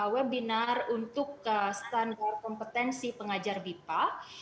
webinar untuk standar kompetensi pengajar bipa